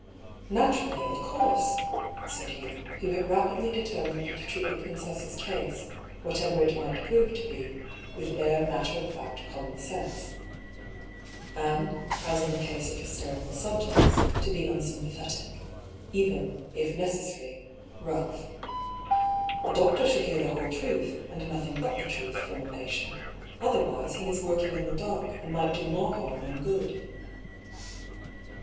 " Naturally, of course," said Hugh, who had rapid ly determined to treat the princess' case, whatever it might prove to be, with bare matter of fact common sense : and, as in the case of hysterical subjects, to be unsympathetic — even, if necessary, rough. " A doctor should hear the whole truth, and nothing but the truth, from a patient. Otherwise, he is working in the dark, and might do more harm than good."